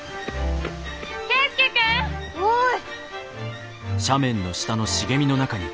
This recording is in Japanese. おい。